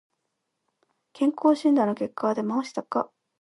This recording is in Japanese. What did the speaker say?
健康診断の結果は出ましたか。